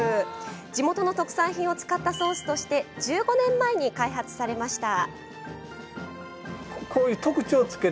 地元の特産品を使ったソースとして１５年前に開発されました。